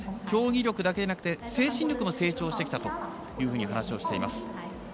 競技力だけでなく精神力も成長してきたというふうに話しをしています。